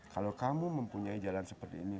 kalau kamu mempunyai jalan seperti ini